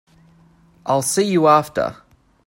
I'll see you after.